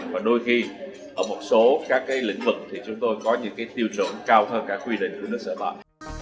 và đôi khi ở một số các lĩnh vực thì chúng tôi có những cái tiêu chuẩn cao hơn các quy định của nước sở tại